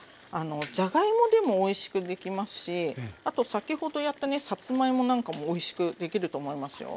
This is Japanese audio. じゃがいもでもおいしくできますしあと先ほどやったねさつまいもなんかもおいしくできると思いますよ。